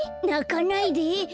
なかないで。